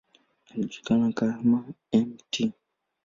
Alijulikana kama ""Mt.